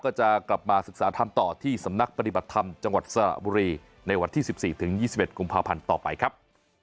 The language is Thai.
ก็จะกลับมาศึกษาธรรมต่อที่สำนักปฏิบัติธรรมจังหวัดสระบุรีในวันที่๑๔ถึง๒๑กุมภาพันธ์ต่อไปครับ